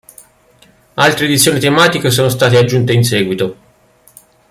Altre edizioni tematiche sono state aggiunte in seguito.